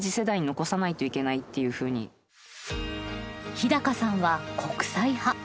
日さんは国際派。